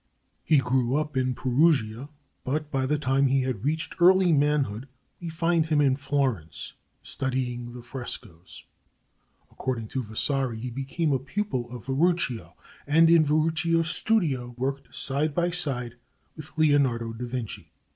He grew up in Perugia; but by the time he had reached early manhood we find him at Florence, studying the frescos. According to Vasari, he became a pupil of Verocchio, and in Verocchio's studio worked side by side with Leonardo da Vinci.